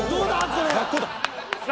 これ。